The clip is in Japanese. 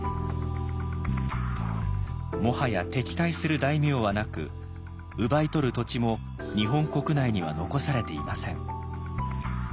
もはや敵対する大名はなく奪い取る土地も日本国内には残されていません。